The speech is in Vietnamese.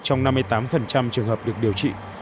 trong năm mươi tám trường hợp được điều trị